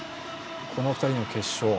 この２人の決勝。